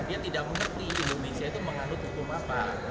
dia tidak mengerti indonesia itu menganut hukum apa